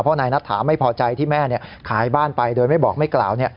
เพราะนายนัทถาไม่พอใจที่แม่ขายบ้านไปโดยไม่บอกไม่กล่าว